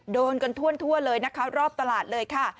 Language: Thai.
โดนกันทั่วเลยนะคะรอบตลาดเลยค่ะ